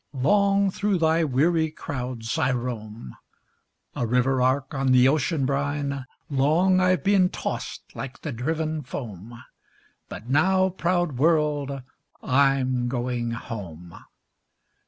Long through thy weary crowds I roam; A river ark on the ocean brine, Long I've been tossed like the driven foam: But now, proud world! I'm going home.